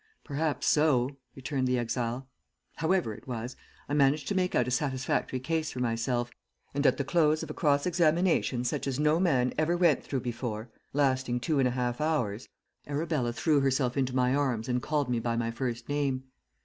"Perhaps so," returned the exile. "However it was, I managed to make out a satisfactory case for myself, and at the close of a cross examination such as no man ever went through before, lasting two and a half hours, Arabella threw herself into my arms and called me by my first name.